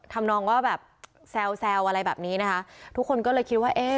ทำนองว่าแบบแซวแซวอะไรแบบนี้นะคะทุกคนก็เลยคิดว่าเอ๊ะ